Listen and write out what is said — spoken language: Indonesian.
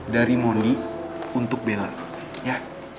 dari mondi untuk bela ya